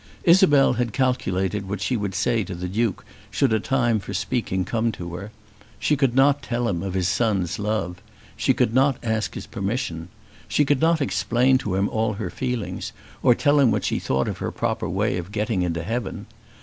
Isabel had calculated what she would say to the Duke should a time for speaking come to her. She could not tell him of his son's love. She could not ask his permission. She could not explain to him all her feelings, or tell him what she thought of her proper way of getting into heaven.